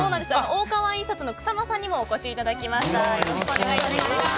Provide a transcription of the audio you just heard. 大川印刷のクサノさんにもお越しいただきました。